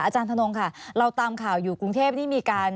อาจารย์ธนงค่ะเราตามข่าวอยู่กรุงเทพนี่มีการ